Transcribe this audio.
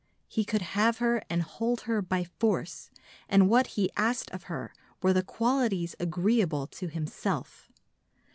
He could have her and hold her by force, and what he asked of her were the qualities agreeable to himself.